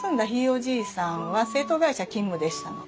おじいさんは製陶会社勤務でしたの。